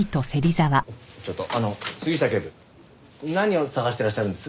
ちょっとあの杉下警部何を探してらっしゃるんです？